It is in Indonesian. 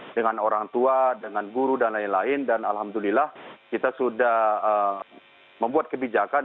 dengan orang tua dengan guru dan lain lain dan alhamdulillah kita sudah membuat kebijakan